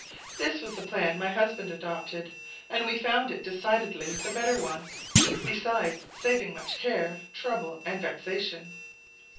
This was the plan my husband adopted, and we found it decidedly the better one, besides saving much care, trouble, and vexation.